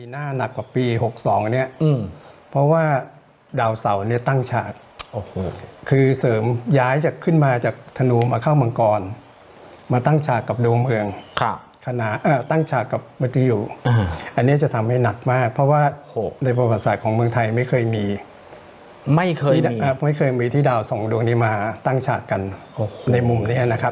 ในประวัติศาสตร์ของเมืองไทยไม่เคยมีไม่เคยมีที่ดาวส่งดวงนี้มาตั้งฉากันในมุมนี้นะครับ